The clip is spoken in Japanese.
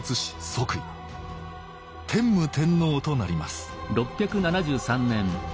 天武天皇となります